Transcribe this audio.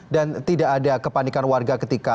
dan tidak ada kepanikan warga ketika